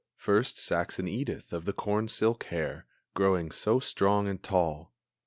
First, Saxon Edith, of the corn silk hair, Growing so strong and tall!